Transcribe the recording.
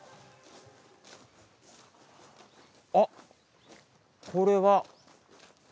あっこれは。